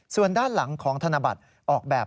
ส่วนด้านหลังของธนบัตรออกแบบ